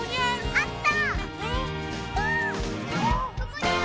あった！